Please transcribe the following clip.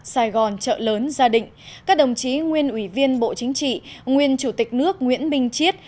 sài gòn trợ lớn gia đình các đồng chí nguyên ủy viên bộ chính trị nguyên chủ tịch nước nguyễn minh chiết